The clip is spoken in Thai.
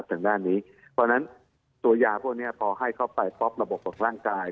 เพราะฉะนั้นตัวยาพวกนี้พอให้เข้าไปฟอประบบของร่างกาย